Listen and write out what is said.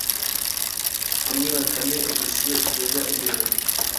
imwe Bakame Editions iteza imbere